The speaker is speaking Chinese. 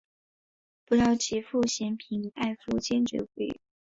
不料其父嫌贫爱富坚决不允。